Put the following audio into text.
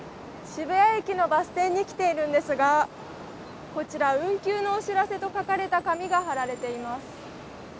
渋谷駅のバス停に来ているんですが、こちら、運休のお知らせと書かれた紙が貼られています。